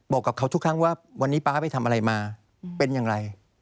บอกกับเขาทุกครั้งว่าวันนี้ป๊าไปทำอะไรมาเป็นอย่างไร